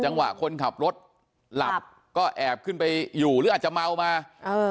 จังหวะคนขับรถหลับก็แอบขึ้นไปอยู่หรืออาจจะเมามาเออ